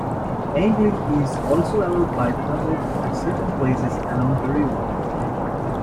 Angling is also allowed by permit at certain places along the river.